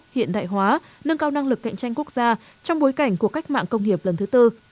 hiện đại hóa nâng cao năng lực cạnh tranh quốc gia trong bối cảnh của cách mạng công nghiệp lần thứ tư